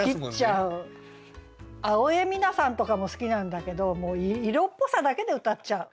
青江三奈さんとかも好きなんだけど色っぽさだけで歌っちゃう。